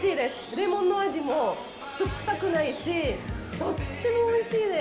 レモンの味も酸っぱくないし、とってもおいしいです。